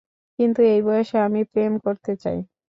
কিন্তু এই বয়সে আমি প্রেম করতে চাই।